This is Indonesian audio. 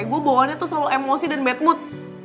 gue bawanya tuh selalu emosi dan bad mood